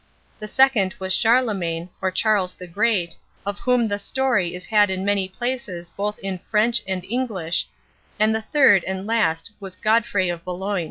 The second was Charlemayn, or Charles the grete, of whome thystorye is had in many places both in frensshe and englysshe, and the thyrd and last was Godefray of boloyn."